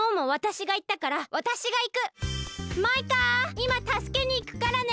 いまたすけにいくからね！